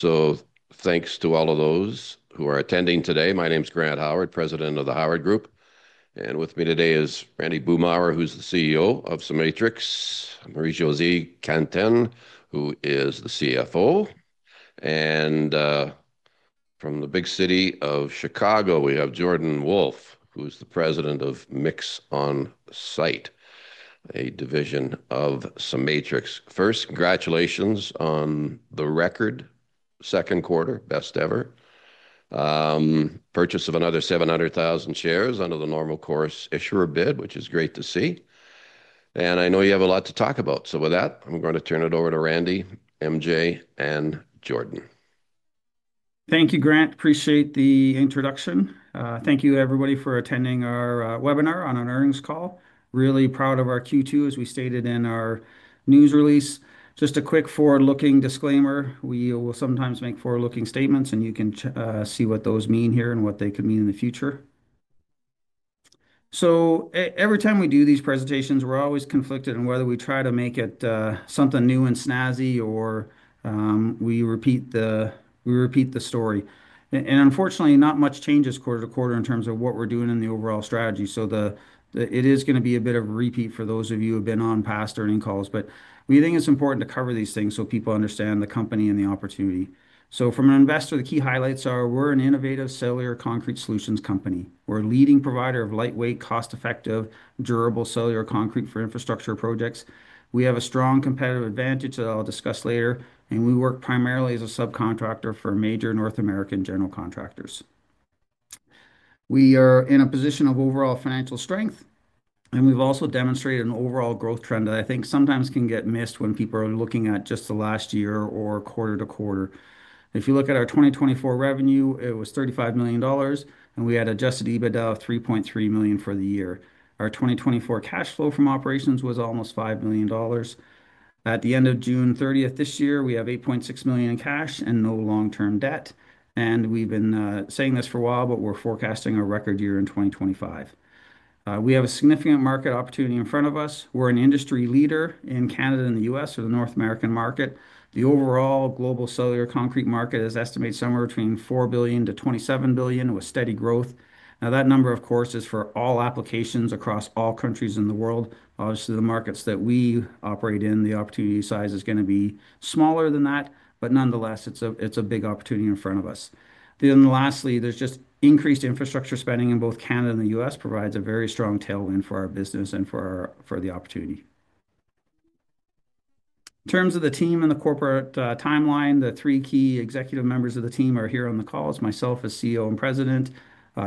Thank you to all of those who are attending today. My name is Grant Howard, President of The Howard Group Inc. With me today is Randy Boomhour, who's the CEO of CEMATRIX Corporation, Marie-Josée Cantin, who is the CFO, and from the big city of Chicago, we have Jordan Wolfe, who's the President of MixOnSite USA, a division of CEMATRIX. First, congratulations on the record second quarter, best ever. Purchase of another 700,000 shares under the normal course issuer bid, which is great to see. I know you have a lot to talk about. With that, I'm going to turn it over to Randy, MJ, and Jordan. Thank you, Grant. Appreciate the introduction. Thank you, everybody, for attending our webinar on an earnings call. Really proud of our Q2, as we stated in our news release. Just a quick forward-looking disclaimer. We will sometimes make forward-looking statements, and you can see what those mean here and what they could mean in the future. Every time we do these presentations, we're always conflicted in whether we try to make it something new and snazzy or we repeat the story. Unfortunately, not much changes quarter to quarter in terms of what we're doing in the overall strategy. It is going to be a bit of a repeat for those of you who have been on past earnings calls. We think it's important to cover these things so people understand the company and the opportunity. From an investor, the key highlights are we're an innovative cellular concrete solutions company. We're a leading provider of lightweight, cost-effective, durable cellular concrete for infrastructure projects. We have a strong competitive advantage that I'll discuss later. We work primarily as a subcontractor for major North American general contractors. We are in a position of overall financial strength. We've also demonstrated an overall growth trend that I think sometimes can get missed when people are looking at just the last year or quarter to quarter. If you look at our 2024 revenue, it was $35 million. We had adjusted EBITDA of $3.3 million for the year. Our 2024 cash flow from operations was almost $5 million. At the end of June 30 this year, we have $8.6 million in cash and no long-term debt. We've been saying this for a while, but we're forecasting a record year in 2025. We have a significant market opportunity in front of us. We're an industry leader in Canada and the U.S. for the North American market. The overall global cellular concrete market is estimated somewhere between $4 billion to $27 billion with steady growth. That number, of course, is for all applications across all countries in the world. Obviously, the markets that we operate in, the opportunity size is going to be smaller than that. Nonetheless, it's a big opportunity in front of us. Lastly, increased infrastructure spending in both Canada and the U.S. provides a very strong tailwind for our business and for the opportunity. In terms of the team and the corporate timeline, the three key executive members of the team are here on the calls, myself as CEO and President,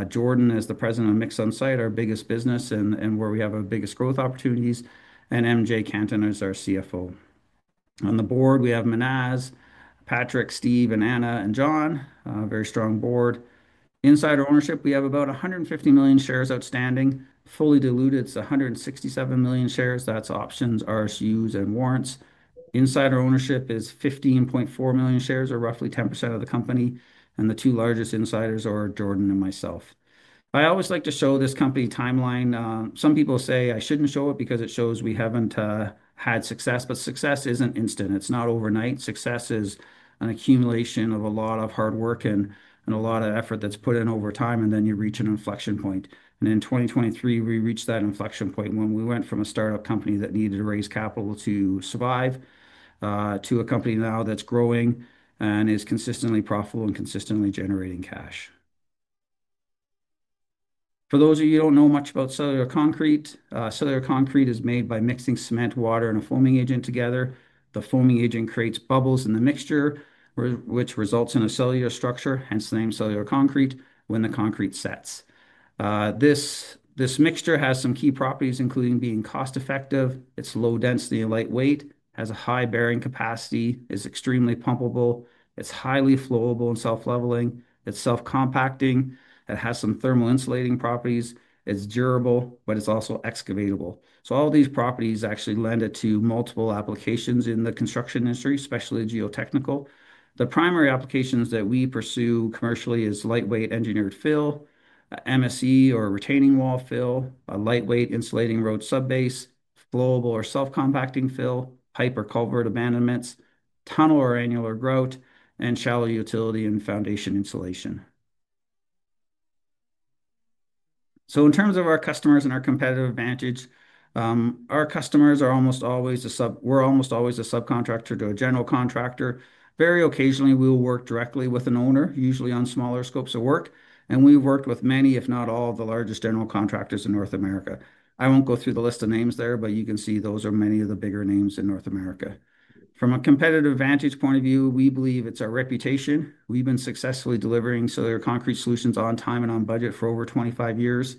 Jordan as the President of MixOnSite USA, our biggest business and where we have our biggest growth opportunities, and Marie-Josée Cantin as our CFO. On the board, we have Menaz, Patrick, Steve, Anna, and John, a very strong board. Insider ownership, we have about 150 million shares outstanding. Fully diluted, it's 167 million shares. That's options, RSUs, and warrants. Insider ownership is 15.4 million shares, or roughly 10% of the company. The two largest insiders are Jordan and myself. I always like to show this company timeline. Some people say I shouldn't show it because it shows we haven't had success. Success isn't instant. It's not overnight. Success is an accumulation of a lot of hard work and a lot of effort that's put in over time, and then you reach an inflection point. In 2023, we reached that inflection point when we went from a startup company that needed to raise capital to survive to a company now that's growing and is consistently profitable and consistently generating cash. For those of you who don't know much about cellular concrete, cellular concrete is made by mixing cement, water, and a foaming agent together. The foaming agent creates bubbles in the mixture, which results in a cellular structure, hence the name cellular concrete, when the concrete sets. This mixture has some key properties, including being cost-effective. It's low density and lightweight, has a high bearing capacity, is extremely pumpable, it's highly flowable and self-leveling, it's self-compacting, it has some thermal insulating properties, it's durable, but it's also excavatable. All these properties actually lend it to multiple applications in the construction industry, especially geotechnical. The primary applications that we pursue commercially are lightweight engineered fill, MSE or retaining wall fill, a lightweight insulating road subbase, flowable or self-compacting fill, pipe or culvert abandonments, tunnel or annular grout, and shallow utility and foundation insulation. In terms of our customers and our competitive advantage, our customers are almost always a sub, we're almost always a subcontractor to a general contractor. Very occasionally, we'll work directly with an owner, usually on smaller scopes of work. We have worked with many, if not all, of the largest general contractors in North America. I won't go through the list of names there, but you can see those are many of the bigger names in North America. From a competitive advantage point of view, we believe it's our reputation. We have been successfully delivering cellular concrete solutions on time and on budget for over 25 years.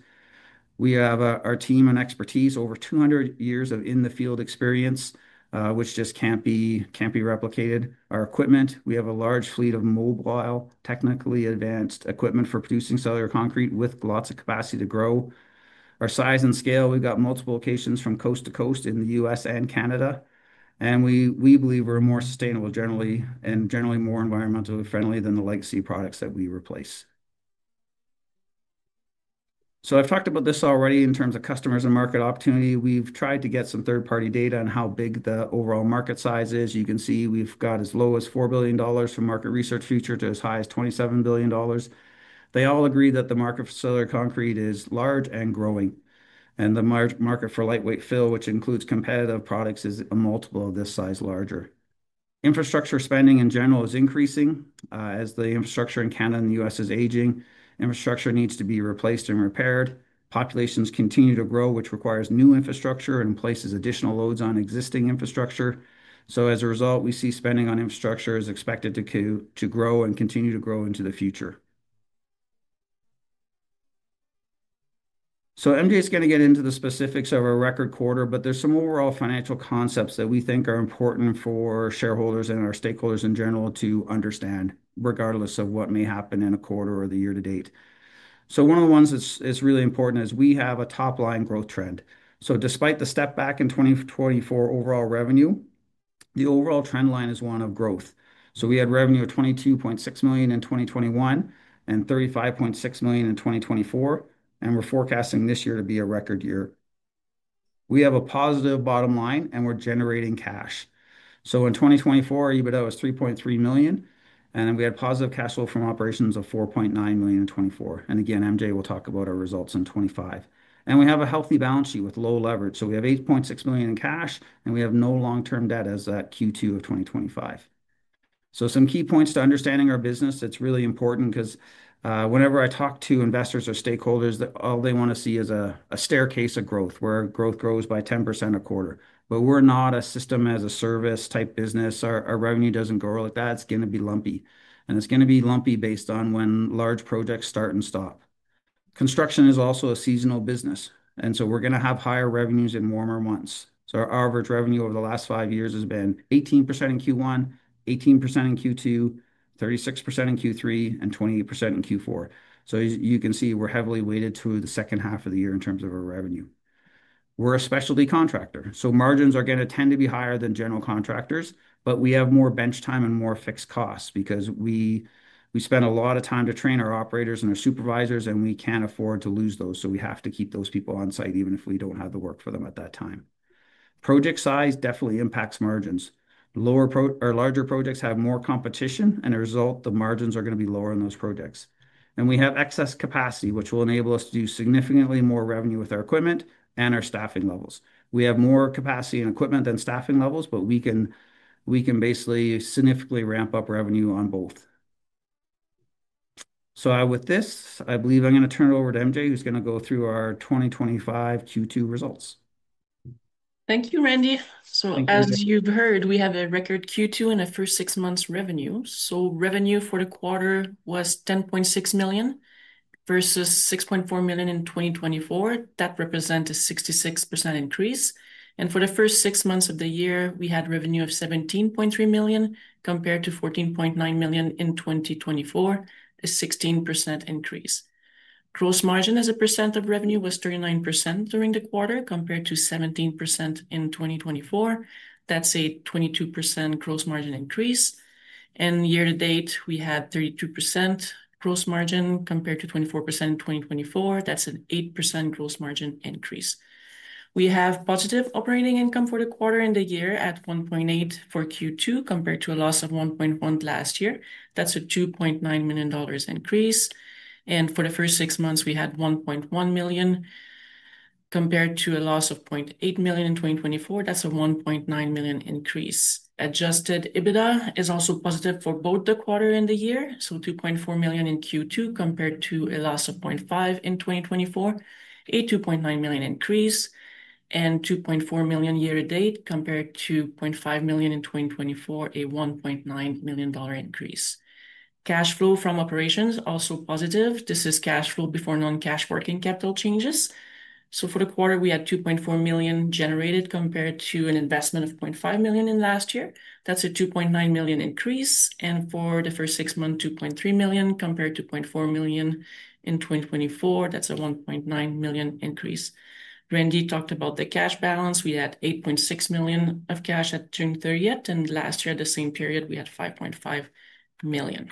We have our team and expertise, over 200 years of in-the-field experience, which just can't be replicated. Our equipment, we have a large fleet of mobile, technically advanced equipment for producing cellular concrete with lots of capacity to grow. Our size and scale, we have multiple locations from coast to coast in the U.S. and Canada. We believe we are more sustainable generally and generally more environmentally friendly than the legacy products that we replace. I have talked about this already in terms of customers and market opportunity. We have tried to get some third-party data on how big the overall market size is. You can see we have as low as $4 billion from Market Research Future to as high as $27 billion. They all agree that the market for cellular concrete is large and growing. The market for lightweight fill, which includes competitive products, is a multiple of this size larger. Infrastructure spending in general is increasing as the infrastructure in Canada and the U.S. is aging. Infrastructure needs to be replaced and repaired. Populations continue to grow, which requires new infrastructure and places additional loads on existing infrastructure. As a result, we see spending on infrastructure is expected to grow and continue to grow into the future. MJ is going to get into the specifics of our record quarter, but there are some overall financial concepts that we think are important for shareholders and our stakeholders in general to understand, regardless of what may happen in a quarter or the year to date. One of the ones that's really important is we have a top-line growth trend. Despite the step back in 2024 overall revenue, the overall trend line is one of growth. We had revenue of $22.6 million in 2021 and $35.6 million in 2024. We are forecasting this year to be a record year. We have a positive bottom line, and we are generating cash. In 2024, EBITDA was $3.3 million. We had positive cash flow from operations of $4.9 million in 2024. MJ will talk about our results in 2025. We have a healthy balance sheet with low leverage. We have $8.6 million in cash, and we have no long-term debt as at Q2 of 2025. Some key points to understanding our business are really important because whenever I talk to investors or stakeholders, all they want to see is a staircase of growth where growth grows by 10% a quarter. We're not a system-as-a-service type business. Our revenue doesn't grow like that. It's going to be lumpy, and it's going to be lumpy based on when large projects start and stop. Construction is also a seasonal business, and we're going to have higher revenues in warmer months. Our average revenue over the last five years has been 18% in Q1, 18% in Q2, 36% in Q3, and 28% in Q4. You can see we're heavily weighted through the second half of the year in terms of our revenue. We're a specialty contractor, so margins are going to tend to be higher than general contractors. We have more bench time and more fixed costs because we spend a lot of time to train our operators and our supervisors, and we can't afford to lose those. We have to keep those people on site even if we don't have the work for them at that time. Project size definitely impacts margins. Larger projects have more competition, and as a result, the margins are going to be lower in those projects. We have excess capacity, which will enable us to do significantly more revenue with our equipment and our staffing levels. We have more capacity in equipment than staffing levels, but we can basically significantly ramp up revenue on both. With this, I believe I'm going to turn it over to MJ, who's going to go through our 2025 Q2 results. Thank you, Randy. As you've heard, we have a record Q2 and a first six months revenue. Revenue for the quarter was $10.6 million versus $6.4 million in 2024. That represents a 66% increase. For the first six months of the year, we had revenue of $17.3 million compared to $14.9 million in 2024, a 16% increase. Gross margin as a percent of revenue was 39% during the quarter compared to 17% in 2024. That's a 22% gross margin increase. Year to date, we had 32% gross margin compared to 24% in 2024. That's an 8% gross margin increase. We have positive operating income for the quarter and the year at $1.8 million for Q2 compared to a loss of $1.1 million last year. That's a $2.9 million increase. For the first six months, we had $1.1 million compared to a loss of $0.8 million in 2024. That's a $1.9 million increase. Adjusted EBITDA is also positive for both the quarter and the year. $2.4 million in Q2 compared to a loss of $0.5 million in 2024, a $2.9 million increase, and $2.4 million year to date compared to $0.5 million in 2024, a $1.9 million increase. Cash flow from operations, also positive. This is cash flow before non-cash working capital changes. For the quarter, we had $2.4 million generated compared to an investment of $0.5 million last year. That's a $2.9 million increase. For the first six months, $2.3 million compared to $0.4 million in 2024. That's a $1.9 million increase. Randy talked about the cash balance. We had $8.6 million of cash at June 30th. Last year, the same period, we had $5.5 million.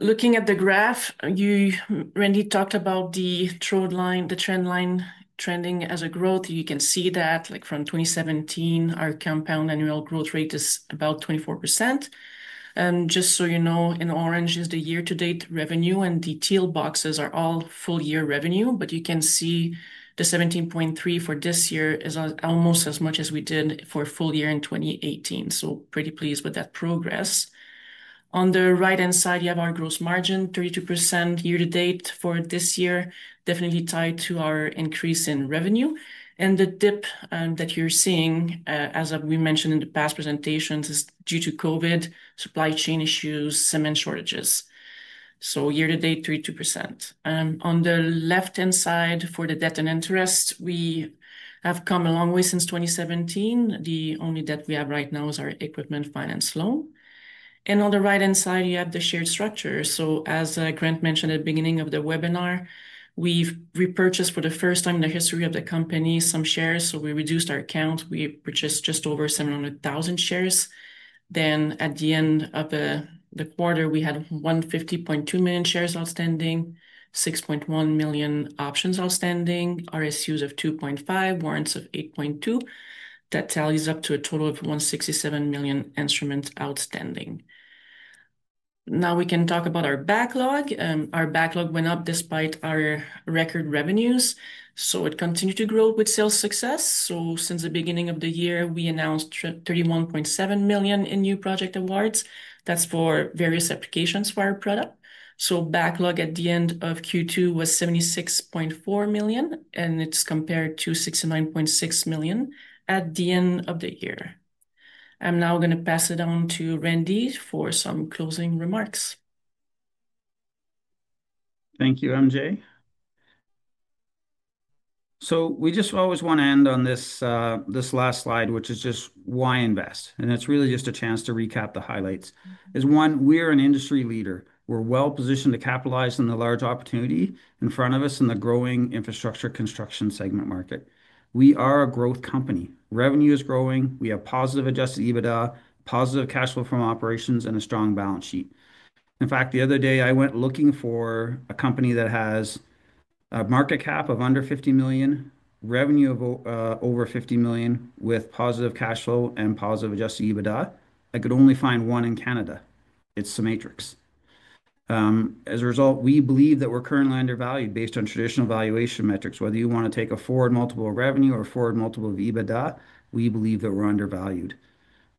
Looking at the graph, Randy talked about the trend line trending as a growth. You can see that from 2017, our compound annual growth rate is about 24%. In orange is the year-to-date revenue, and detailed boxes are all full-year revenue. You can see the $17.3 million for this year is almost as much as we did for a full year in 2018. Pretty pleased with that progress. On the right-hand side, you have our gross margin, 32% year to date for this year, definitely tied to our increase in revenue. The dip that you're seeing, as we mentioned in past presentations, is due to COVID, supply chain issues, cement shortages. Year to date, 32%. On the left-hand side for the debt and interest, we have come a long way since 2017. The only debt we have right now is our equipment finance loan. On the right-hand side, you have the share structure. As Grant mentioned at the beginning of the webinar, we've repurchased for the first time in the history of the company some shares. We reduced our count. We purchased just over 700,000 shares. At the end of the quarter, we had 150.2 million shares outstanding, 6.1 million options outstanding, RSUs of 2.5 million, warrants of 8.2 million. That tally is up to a total of 167 million instruments outstanding. Now we can talk about our backlog. Our backlog went up despite our record revenues. It continued to grow with sales success. Since the beginning of the year, we announced $31.7 million in new project awards. That's for various applications for our product. Backlog at the end of Q2 was $76.4 million, compared to $69.6 million at the end of the year. I'm now going to pass it on to Randy for some closing remarks. Thank you, MJ. We just always want to end on this last slide, which is just why invest. It's really just a chance to recap the highlights. As one, we are an industry leader. We're well positioned to capitalize on the large opportunity in front of us in the growing infrastructure construction segment market. We are a growth company. Revenue is growing. We have positive adjusted EBITDA, positive cash flow from operations, and a strong balance sheet. In fact, the other day, I went looking for a company that has a market cap of under $50 million, revenue of over $50 million with positive cash flow and positive adjusted EBITDA. I could only find one in Canada. It's CEMATRIX. As a result, we believe that we're currently undervalued based on traditional valuation metrics. Whether you want to take a forward multiple of revenue or a forward multiple of EBITDA, we believe that we're undervalued.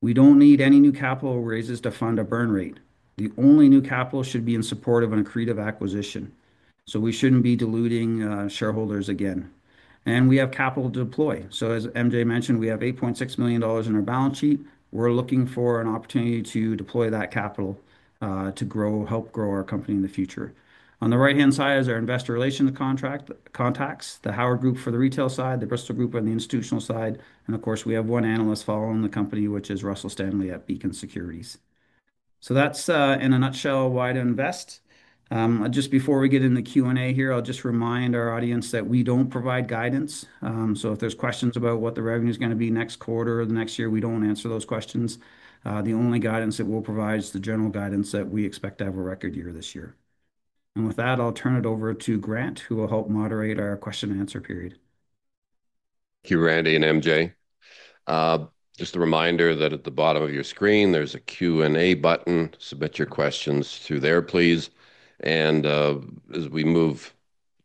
We don't need any new capital raises to fund a burn rate. The only new capital should be in support of an accretive acquisition. We shouldn't be diluting shareholders again. We have capital to deploy. As MJ mentioned, we have $8.6 million in our balance sheet. We're looking for an opportunity to deploy that capital to help grow our company in the future. On the right-hand side is our investor relation contacts, The Howard Group Inc. for the retail side, the Bristol Group on the institutional side, and of course, we have one analyst following the company, which is Russell Stanley at Beacon Securities. That's, in a nutshell, why to invest. Just before we get into Q&A here, I'll just remind our audience that we don't provide guidance. If there's questions about what the revenue is going to be next quarter or the next year, we don't answer those questions. The only guidance that we'll provide is the general guidance that we expect to have a record year this year. With that, I'll turn it over to Grant, who will help moderate our question and answer period. Thank you, Randy and MJ. Just a reminder that at the bottom of your screen, there's a Q&A button. Submit your questions through there, please. As we move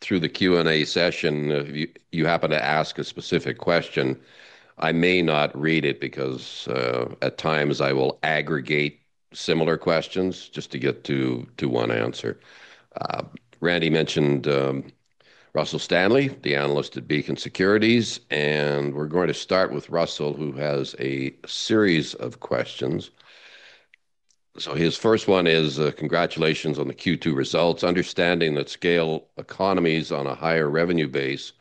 through the Q&A session, if you happen to ask a specific question, I may not read it because at times I will aggregate similar questions just to get to one answer. Randy mentioned Russell Stanley, the analyst at Beacon Securities. We're going to start with Russell, who has a series of questions. His first one is, congratulations on the Q2 results. Understanding that scale economies on a higher revenue base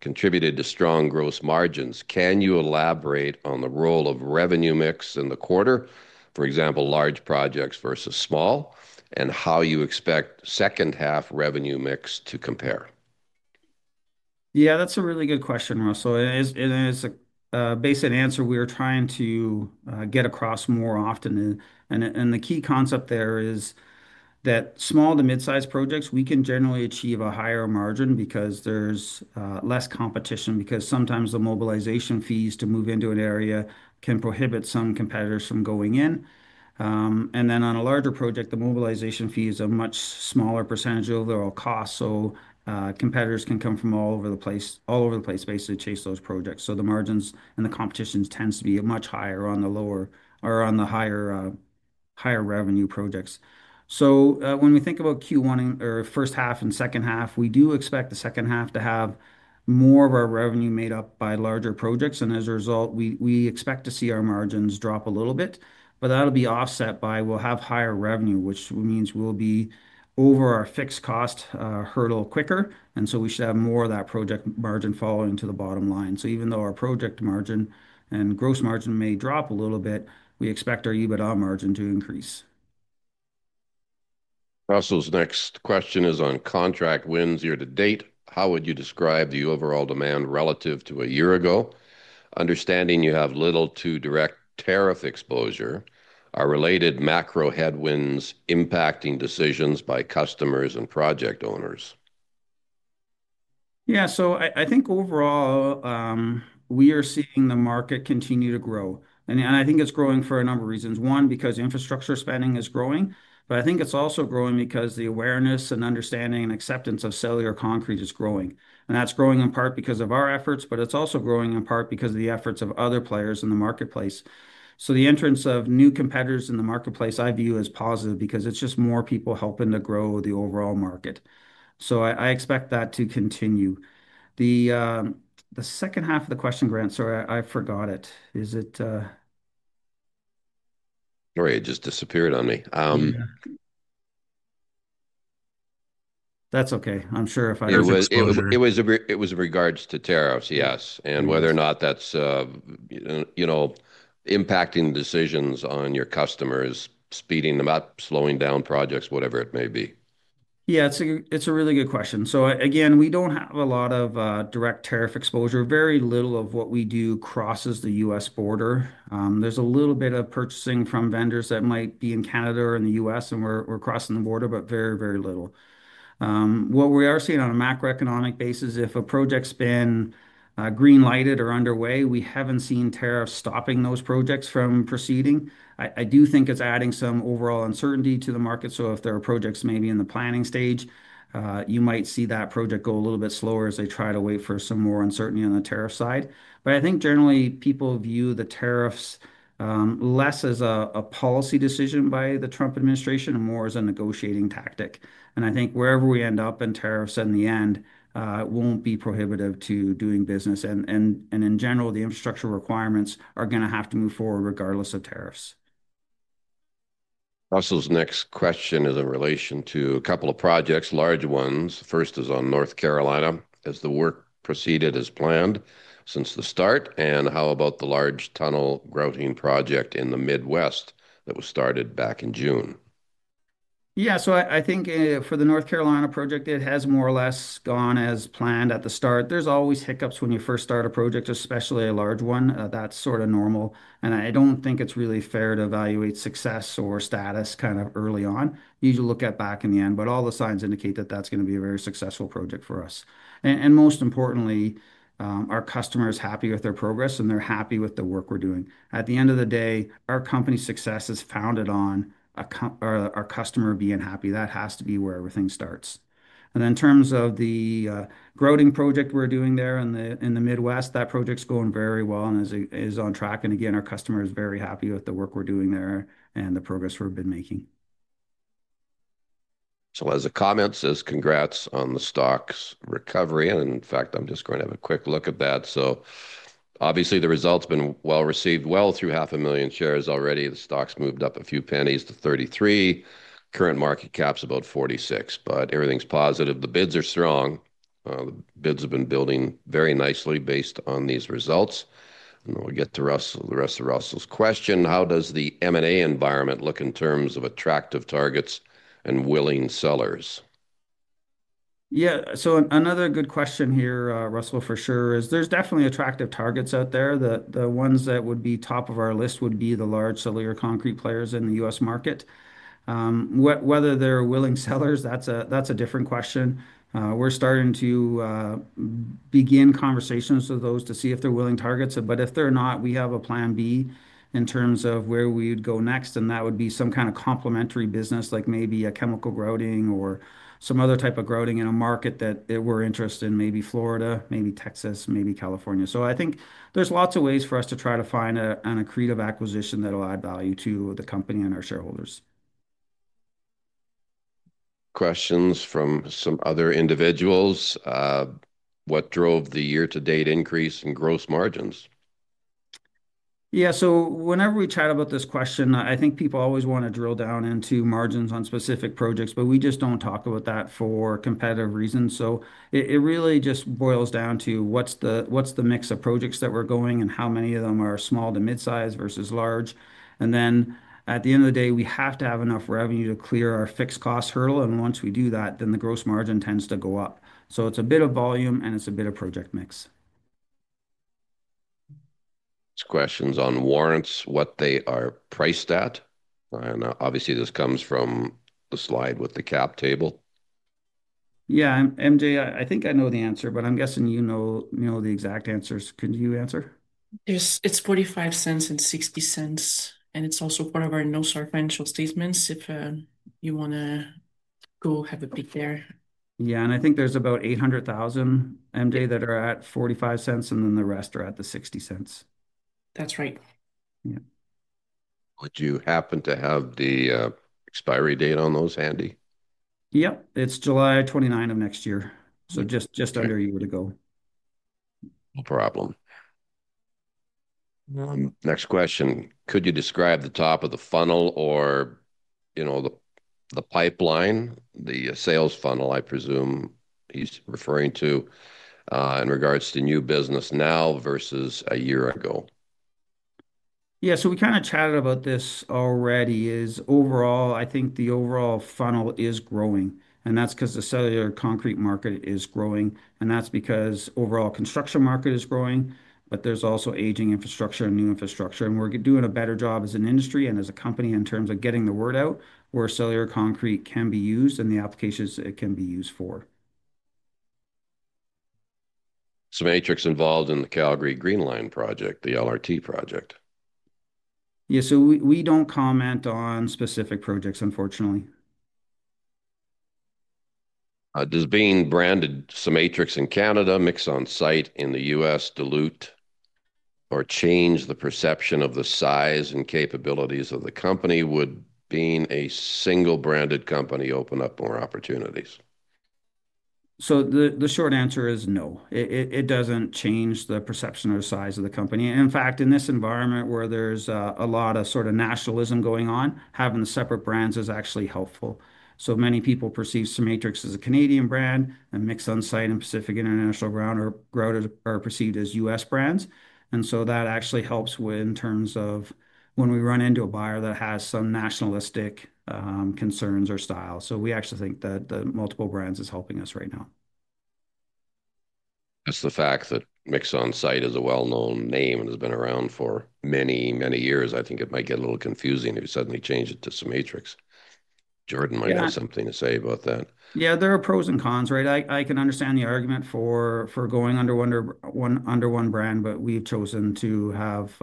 contributed to strong gross margins, can you elaborate on the role of revenue mix in the quarter, for example, large projects versus small, and how you expect second-half revenue mix to compare? Yeah, that's a really good question, Russell. As a basic answer, we are trying to get across more often. The key concept there is that small to mid-sized projects, we can generally achieve a higher margin because there's less competition, because sometimes the mobilization fees to move into an area can prohibit some competitors from going in. On a larger project, the mobilization fees are a much smaller % of their all costs. Competitors can come from all over the place, basically chase those projects. The margins and the competition tend to be much higher on the higher revenue projects. When we think about Q1 or first half and second half, we do expect the second half to have more of our revenue made up by larger projects. As a result, we expect to see our margins drop a little bit. That'll be offset by we'll have higher revenue, which means we'll be over our fixed cost hurdle quicker, and we should have more of that project margin falling to the bottom line. Even though our project margin and gross margin may drop a little bit, we expect our EBITDA margin to increase. Russell's next question is on contract wins year to date. How would you describe the overall demand relative to a year ago? Understanding you have little to direct tariff exposure, are related macro headwinds impacting decisions by customers and project owners? Yeah, I think overall, we are seeing the market continue to grow. I think it's growing for a number of reasons. One, because infrastructure spending is growing. I think it's also growing because the awareness and understanding and acceptance of cellular concrete is growing. That's growing in part because of our efforts, but it's also growing in part because of the efforts of other players in the marketplace. The entrance of new competitors in the marketplace I view as positive because it's just more people helping to grow the overall market. I expect that to continue. The second half of the question, Grant, sorry, I forgot it. Is it? Sorry, it just disappeared on me. That's OK. I'm sure if I... It was in regards to tariffs, yes. Whether or not that's impacting decisions on your customers, speeding them up, slowing down projects, whatever it may be. Yeah, it's a really good question. Again, we don't have a lot of direct tariff exposure. Very little of what we do crosses the U.S. border. There's a little bit of purchasing from vendors that might be in Canada or in the U.S., and we're crossing the border, but very, very little. What we are seeing on a macroeconomic basis, if a project's been green-lighted or underway, we haven't seen tariffs stopping those projects from proceeding. I do think it's adding some overall uncertainty to the market. If there are projects maybe in the planning stage, you might see that project go a little bit slower as they try to wait for some more uncertainty on the tariff side. I think generally, people view the tariffs less as a policy decision by the Trump administration and more as a negotiating tactic. I think wherever we end up in tariffs in the end, it won't be prohibitive to doing business. In general, the infrastructure requirements are going to have to move forward regardless of tariffs. Russell's next question is in relation to a couple of projects, large ones. The first is on North Carolina. Has the work proceeded as planned since the start? How about the large tunnel grouting project in the Midwest that was started back in June? I think for the North Carolina project, it has more or less gone as planned at the start. There are always hiccups when you first start a project, especially a large one. That's sort of normal. I don't think it's really fair to evaluate success or status kind of early on. You usually look at back in the end. All the signs indicate that that's going to be a very successful project for us. Most importantly, our customer is happy with their progress, and they're happy with the work we're doing. At the end of the day, our company's success is founded on our customer being happy. That has to be where everything starts. In terms of the grouting project we're doing there in the Midwest, that project's going very well and is on track. Again, our customer is very happy with the work we're doing there and the progress we've been making. As a comment, it says, congrats on the stock's recovery. In fact, I'm just going to have a quick look at that. Obviously, the result's been well received, well through half a million shares already. The stock's moved up a few pennies to $0.33. Current market cap's about $46 million. Everything's positive. The bids are strong. The bids have been building very nicely based on these results. We'll get to the rest of Russell's question. How does the M&A environment look in terms of attractive targets and willing sellers? Yeah, another good question here, Russell, for sure, is there's definitely attractive targets out there. The ones that would be top of our list would be the large cellular concrete players in the U.S. market. Whether they're willing sellers, that's a different question. We're starting to begin conversations with those to see if they're willing targets. If they're not, we have a plan B in terms of where we'd go next. That would be some kind of complementary business, like maybe a chemical grouting or some other type of grouting in a market that we're interested in, maybe Florida, maybe Texas, maybe California. I think there's lots of ways for us to try to find an accretive acquisition that will add value to the company and our shareholders. Questions from some other individuals. What drove the year-to-date increase in gross margins? Yeah, whenever we chat about this question, I think people always want to drill down into margins on specific projects. We just don't talk about that for competitive reasons. It really just boils down to what's the mix of projects that we're going and how many of them are small to mid-sized versus large. At the end of the day, we have to have enough revenue to clear our fixed cost hurdle. Once we do that, the gross margin tends to go up. It's a bit of volume, and it's a bit of project mix. Questions on warrants, what they are priced at. Obviously, this comes from the slide with the cap table. Yeah, Marie-Josée, I think I know the answer, but I'm guessing you know the exact answers. Could you answer? It's $0.45 and $0.60. It's also part of our [NOSAR financial] statements, if you want to go have a peek there. Yeah, I think there's about $800,000, Marie-Josée, that are at $0.45, and then the rest are at $0.60. That's right. Would you happen to have the expiry date on those handy? Yes, it's July 29 of next year, so just under a year to go. No problem. Next question. Could you describe the top of the funnel or, you know, the pipeline, the sales funnel, I presume he's referring to in regards to new business now versus a year ago? Yeah, we kind of chatted about this already. Overall, I think the overall funnel is growing. That's because the cellular concrete market is growing. That's because the overall construction market is growing. There's also aging infrastructure and new infrastructure. We're doing a better job as an industry and as a company in terms of getting the word out where cellular concrete can be used and the applications it can be used for. CEMATRIX involved in the Calgary Green Line project, the LRT project? Yeah, we don't comment on specific projects, unfortunately. Does being branded CEMATRIX in Canada, MixOnSite USA in the U.S. dilute or change the perception of the size and capabilities of the company? Would being a single branded company open up more opportunities? The short answer is no. It doesn't change the perception or the size of the company. In fact, in this environment where there's a lot of nationalism going on, having separate brands is actually helpful. Many people perceive CEMATRIX as a Canadian brand, and MixOnSite USA and Pacific International Grout are perceived as U.S. brands. That actually helps in terms of when we run into a buyer that has some nationalistic concerns or style. We actually think that the multiple brands is helping us right now. That's the fact that MixOnSite USA is a well-known name and has been around for many, many years. I think it might get a little confusing if you suddenly change it to CEMATRIX. Jordan might have something to say about that. Yeah, there are pros and cons, right? I can understand the argument for going under one brand, but we've chosen to have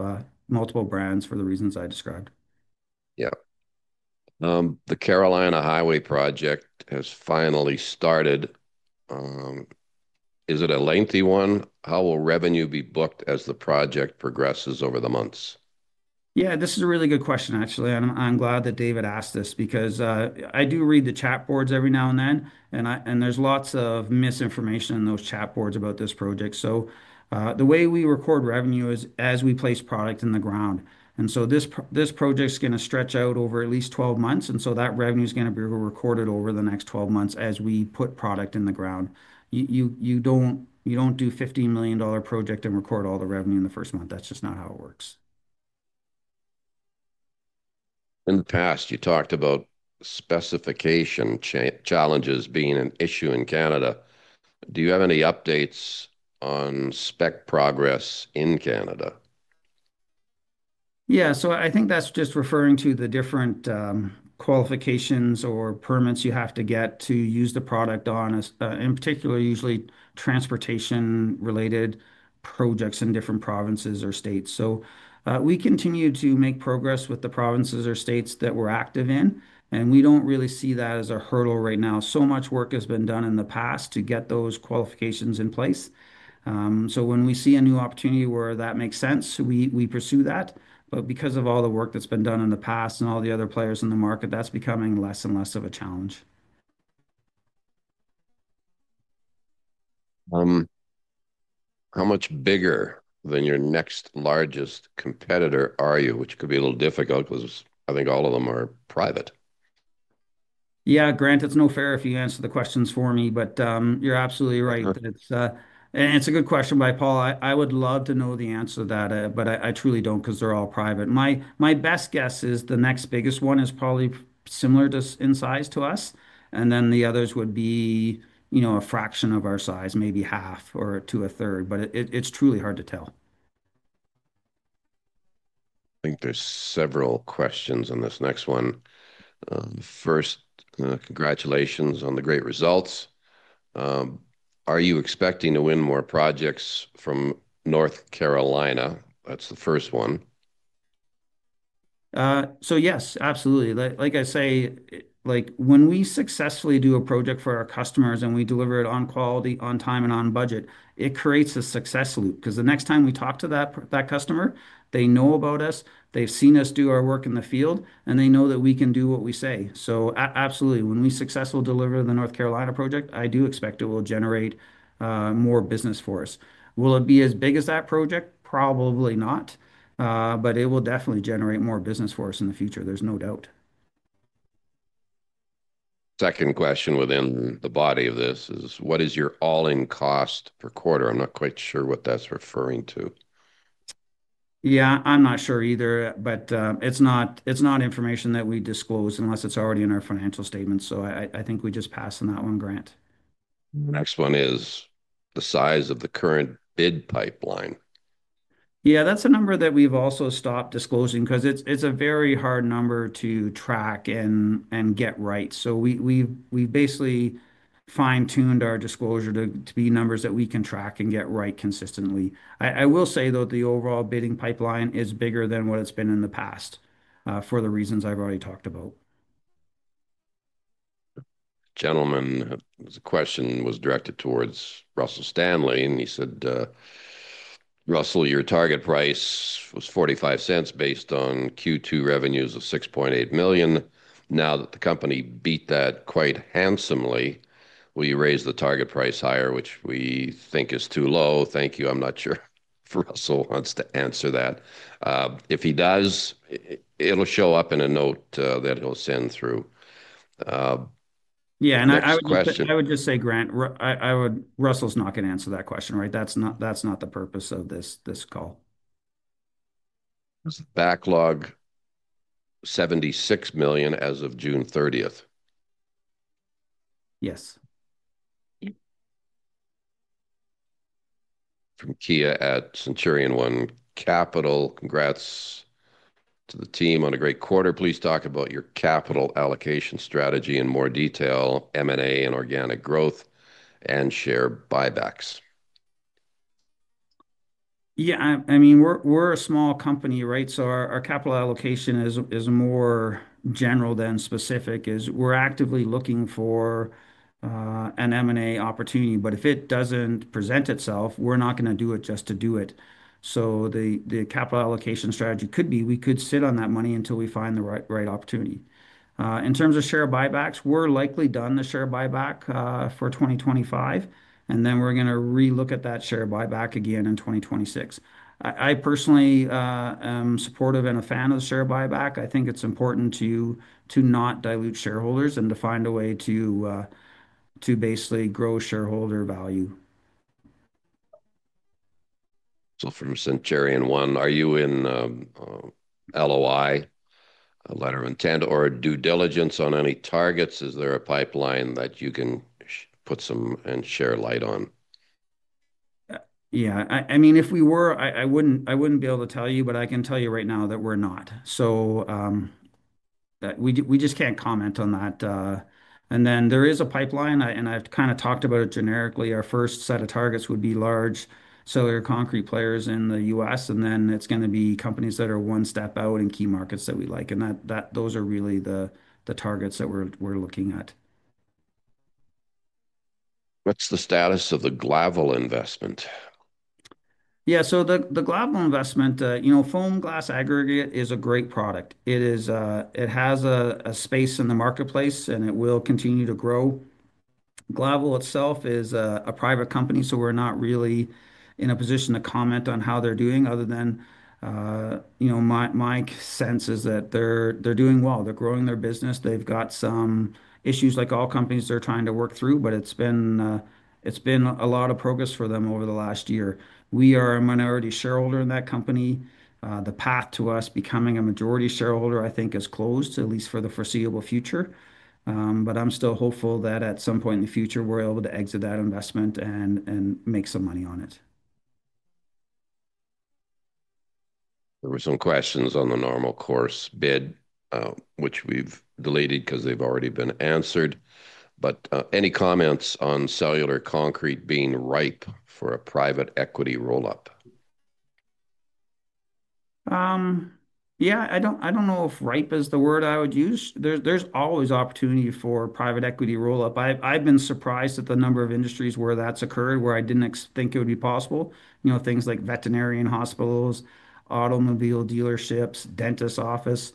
multiple brands for the reasons I described. Yeah. The Carolina Highway project has finally started. Is it a lengthy one? How will revenue be booked as the project progresses over the months? This is a really good question, actually. I'm glad that David asked this because I do read the chat boards every now and then. There's lots of misinformation in those chat boards about this project. The way we record revenue is as we place product in the ground. This project's going to stretch out over at least 12 months, and that revenue is going to be recorded over the next 12 months as we put product in the ground. You don't do a $15 million project and record all the revenue in the first month. That's just not how it works. In the past, you talked about specification challenges being an issue in Canada. Do you have any updates on spec progress in Canada? Yeah, I think that's just referring to the different qualifications or permits you have to get to use the product on, in particular, usually transportation-related projects in different provinces or states. We continue to make progress with the provinces or states that we're active in. We don't really see that as a hurdle right now. So much work has been done in the past to get those qualifications in place. When we see a new opportunity where that makes sense, we pursue that. Because of all the work that's been done in the past and all the other players in the market, that's becoming less and less of a challenge. How much bigger than your next largest competitor are you? It could be a little difficult because I think all of them are private. Yeah, Grant, it's no fair if you answer the questions for me. You're absolutely right. It's a good question by Paul. I would love to know the answer to that, but I truly don't because they're all private. My best guess is the next biggest one is probably similar in size to us. The others would be a fraction of our size, maybe half or to a third. It's truly hard to tell. I think there's several questions on this next one. First, congratulations on the great results. Are you expecting to win more projects from North Carolina? That's the first one. Yes, absolutely. Like I say, when we successfully do a project for our customers and we deliver it on quality, on time, and on budget, it creates a success loop because the next time we talk to that customer, they know about us. They've seen us do our work in the field, and they know that we can do what we say. Absolutely, when we successfully deliver the North Carolina project, I do expect it will generate more business for us. Will it be as big as that project? Probably not, but it will definitely generate more business for us in the future. There's no doubt. Second question within the body of this is, what is your all-in cost per quarter? I'm not quite sure what that's referring to. I'm not sure either. It's not information that we disclose unless it's already in our financial statements. I think we just pass on that one, Grant. Next one is the size of the current bid pipeline. Yeah, that's a number that we've also stopped disclosing because it's a very hard number to track and get right. We basically fine-tuned our disclosure to be numbers that we can track and get right consistently. I will say, though, the overall bidding pipeline is bigger than what it's been in the past for the reasons I've already talked about. Gentleman, the question was directed towards Russell Stanley. He said, Russell, your target price was $0.45 based on Q2 revenues of $6.8 million. Now that the company beat that quite handsomely, will you raise the target price higher, which we think is too low? Thank you. I'm not sure Russell wants to answer that. If he does, it'll show up in a note that he'll send through. Yeah, I would just say, Grant, Russell's not going to answer that question, right? That's not the purpose of this call. Backlog $76 million as of June 30. Yes. From Kia at Centurion One Capital, congrats to the team on a great quarter. Please talk about your capital allocation strategy in more detail, M&A and organic growth, and share buybacks. Yeah, I mean, we're a small company, right? Our capital allocation is more general than specific. We're actively looking for an M&A opportunity. If it doesn't present itself, we're not going to do it just to do it. The capital allocation strategy could be we could sit on that money until we find the right opportunity. In terms of share buybacks, we're likely done the share buyback for 2025, and we're going to relook at that share buyback again in 2026. I personally am supportive and a fan of the share buyback. I think it's important to not dilute shareholders and to find a way to basically grow shareholder value. Are you in LOI, letter of intent, or due diligence on any targets? Is there a pipeline that you can put some share light on? I mean, if we were, I wouldn't be able to tell you. I can tell you right now that we're not. We just can't comment on that. There is a pipeline, and I've kind of talked about it generically. Our first set of targets would be large cellular concrete players in the U.S. It's going to be companies that are one step out in key markets that we like. Those are really the targets that we're looking at. What's the status of the Glavel investment? The Glavel investment, you know, foam glass aggregate is a great product. It has a space in the marketplace, and it will continue to grow. Glavel itself is a private company, so we're not really in a position to comment on how they're doing other than my sense is that they're doing well. They're growing their business. They've got some issues like all companies they're trying to work through. It has been a lot of progress for them over the last year. We are a minority shareholder in that company. The path to us becoming a majority shareholder, I think, is closed, at least for the foreseeable future. I'm still hopeful that at some point in the future, we're able to exit that investment and make some money on it. There were some questions on the normal course issuer bid, which we've deleted because they've already been answered. Any comments on cellular concrete being ripe for a private equity roll-up? I don't know if ripe is the word I would use. There's always opportunity for private equity roll-up. I've been surprised at the number of industries where that's occurred, where I didn't think it would be possible. Things like veterinarian hospitals, automobile dealerships, dentist office.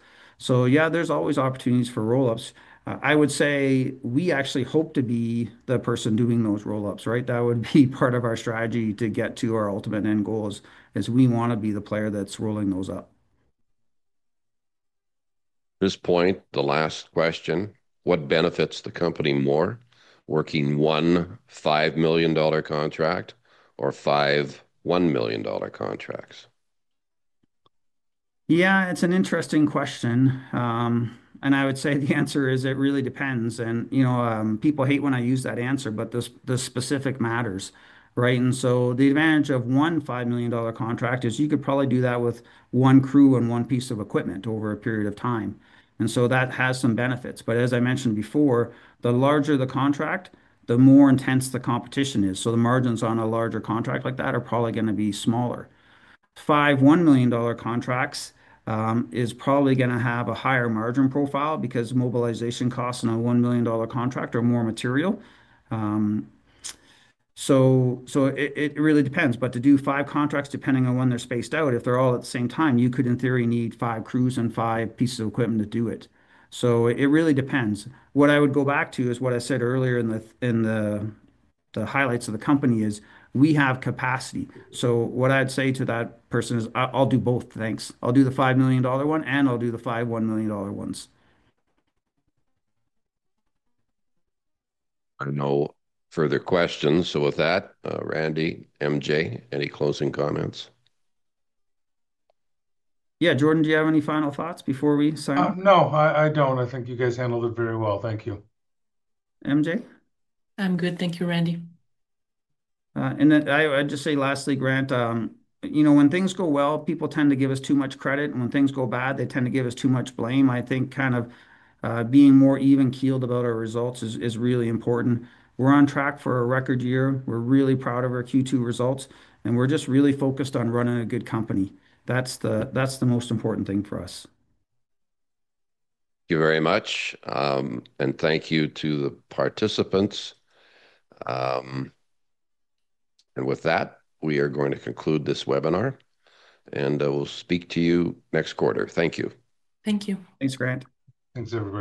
There's always opportunities for roll-ups. I would say we actually hope to be the person doing those roll-ups, right? That would be part of our strategy to get to our ultimate end goals, as we want to be the player that's rolling those up. At this point, the last question. What benefits the company more: working one $5 million contract or five $1 million contracts? Yeah, it's an interesting question. I would say the answer is it really depends. You know, people hate when I use that answer, but the specific matters, right? The advantage of one $5 million contract is you could probably do that with one crew and one piece of equipment over a period of time, and that has some benefits. As I mentioned before, the larger the contract, the more intense the competition is. The margins on a larger contract like that are probably going to be smaller. Five $1 million contracts are probably going to have a higher margin profile because mobilization costs in a $1 million contract are more material. It really depends. To do five contracts, depending on when they're spaced out, if they're all at the same time, you could in theory need five crews and five pieces of equipment to do it. It really depends. What I would go back to is what I said earlier in the highlights of the company: we have capacity. What I'd say to that person is I'll do both things. I'll do the $5 million one and I'll do the five $1 million ones. I have no further questions. With that, Randy, MJ, any closing comments? Yeah, Jordan, do you have any final thoughts before we sign off? No, I don't. I think you guys handled it very well. Thank you. MJ? I'm good, thank you, Randy. I'd just say lastly, Grant, when things go well, people tend to give us too much credit. When things go bad, they tend to give us too much blame. I think kind of being more even-keeled about our results is really important. We're on track for a record year. We're really proud of our Q2 results, and we're just really focused on running a good company. That's the most important thing for us. Thank you very much. Thank you to the participants. With that, we are going to conclude this webinar. We'll speak to you next quarter. Thank you. Thank you. Thanks, Grant. Thanks, everybody.